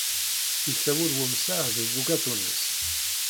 Yessawel wemsaɣ ed ubugaṭu-nnes.